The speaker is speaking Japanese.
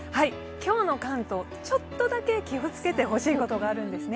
今日の関東、ちょっとだけ気をつけてほしいことがあるんですね。